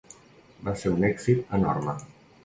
Va ser un èxit enorme.